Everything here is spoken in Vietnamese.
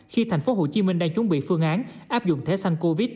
khi thành phố hồ chí minh đang chuẩn bị phương án áp dụng thể sanh covid